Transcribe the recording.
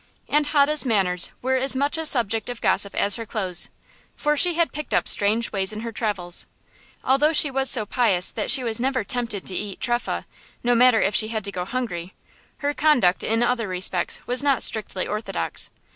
And Hode's manners were as much a subject of gossip as her clothes, for she had picked up strange ways in her travels Although she was so pious that she was never tempted to eat trefah, no matter if she had to go hungry, her conduct in other respects was not strictly orthodox.